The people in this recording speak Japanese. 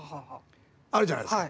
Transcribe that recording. あるじゃないですか。